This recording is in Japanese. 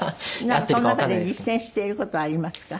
その中で実践している事ありますか？